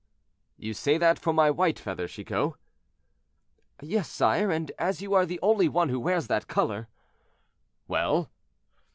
"You say that for my white feather, Chicot." "Yes, sire, and as you are the only one who wears that color—" "Well!"